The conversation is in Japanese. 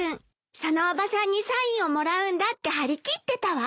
そのおばさんにサインをもらうんだって張り切ってたわ。